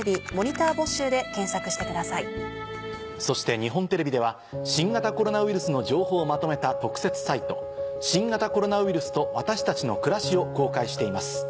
そして日本テレビでは新型コロナウイルスの情報をまとめた特設サイト。を公開しています。